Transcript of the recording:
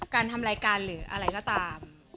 การทำรายการหรืออะไรก็ตาม